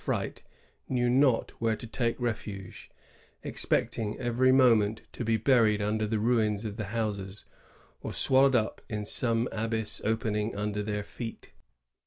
185 fright, knew not where to take refuge, expecting eveiy moment to be buried under the ruins of the houses, or swallowed up in some abyss opening under their feet.